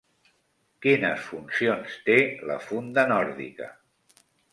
Quines funcions té la funda nòrdica?